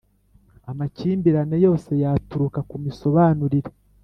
Amakimbirane yose yaturuka ku misobanurire